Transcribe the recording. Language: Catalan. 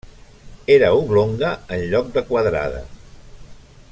Era oblonga en lloc de quadrada.